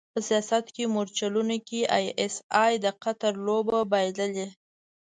په سیاست مورچلونو کې ای ایس ای د قطر لوبه بایللې.